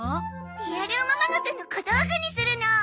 リアルおままごとの小道具にするの。